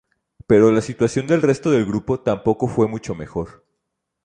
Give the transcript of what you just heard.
Pero, la situación del resto del grupo tampoco fue mucho mejor.